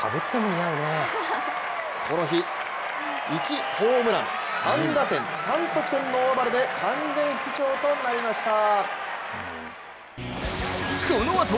この日、１ホームラン３打点、３得点の大暴れで完全復調となりました。